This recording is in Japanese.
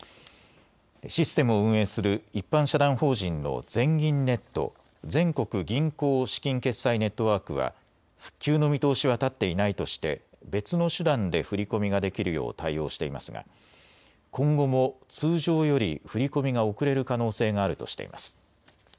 システムを運営する一般社団法人の全銀ネット・全国銀行資金決済ネットワークは復旧の見通しは立っていないとして別の手段で振り込みができるよう対応していますが今後も通常より振り込みが遅れる可能性があるとしています。